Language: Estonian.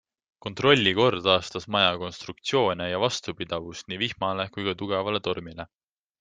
Kontrolli kord aastas maja konstruktsioone ja vastupidavust nii vihmale kui ka tugevale tormile.